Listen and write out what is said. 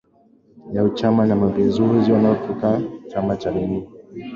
ya Chama cha mapinduzi wanaokifahamu chama hicho kwa undani Uzoefu wa namna hiyo ni